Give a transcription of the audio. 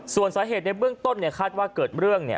ส่วนสาเหตุในเบื้องต้นคาดว่าเกิดเรื่อง